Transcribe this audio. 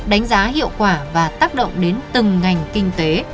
đánh giá hiệu quả và tác động đến từng ngành kinh tế